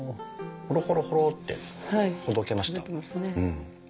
ホロホロホロってほどけました。